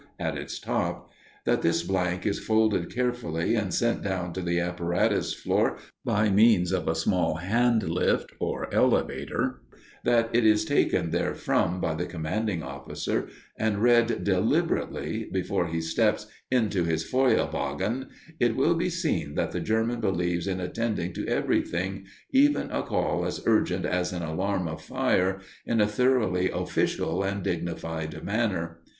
at its top; that this blank is folded carefully and sent down to the apparatus floor by means of a small hand lift, or elevator; that it is taken therefrom by the commanding officer and read deliberately before he steps into his feuer wagon, it will be seen that the Germans believe in attending to everything, even a call as urgent as an alarm of fire, in a thoroughly official and dignified manner.